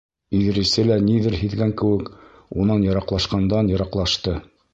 Иҙрисе лә ниҙер һиҙгән кеүек унан йыраҡлашҡандан-йыраҡлашты.